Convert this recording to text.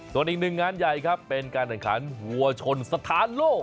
ส่วนอีกหนึ่งงานใหญ่ครับเป็นการแข่งขันวัวชนสถานโลก